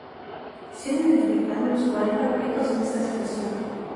Se han identificado unos cuarenta objetos en esta situación.